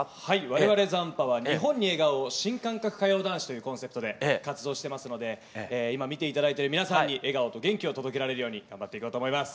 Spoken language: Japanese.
我々斬波は「日本に笑顔を新感覚歌謡男子」というコンセプトで活動してますので今見て頂いてる皆さんに笑顔と元気を届けられるように頑張っていこうと思います。